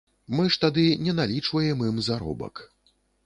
Мы ж тады не налічваем ім заробак.